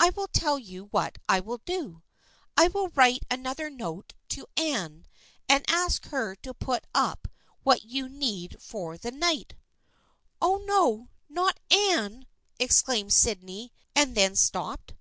I will tell you what I will do ! I will write another note to Anne and ask her to put up what you need for the night," " Oh, no ! Not Anne! " exclaimed Sydney, and then stopped.